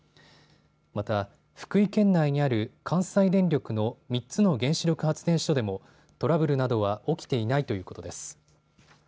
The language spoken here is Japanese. また、福井県内にある関西電力の３つの原子力発電所でもトラブルなどは起きていないということです。